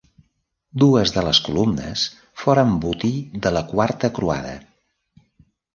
Dues de les columnes foren botí de la Quarta Croada.